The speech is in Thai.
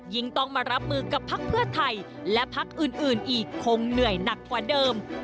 ต้องมารับมือกับพักเพื่อไทยและพักอื่นอีกคงเหนื่อยหนักกว่าเดิม